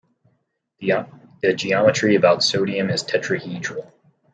The geometry about sodium is tetrahedral.